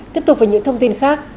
tiếp tục với những thông tin khác